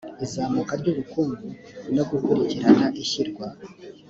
izamuka ry ubukungu no gukurikirana ishyirwa